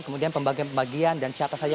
kemudian pembagian pembagian dan siapa saja